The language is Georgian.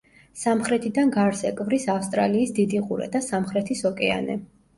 სამხრეთიდან გარს ეკვრის ავსტრალიის დიდი ყურე და სამხრეთის ოკეანე.